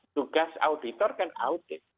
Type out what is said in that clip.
tugas auditor kan audit